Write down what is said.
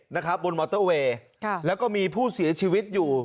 นะครับบนมอเตอร์เวย์ค่ะแล้วก็มีผู้เสียชีวิตอยู่